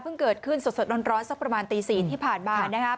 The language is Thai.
เกิดขึ้นสดร้อนสักประมาณตี๔ที่ผ่านมานะครับ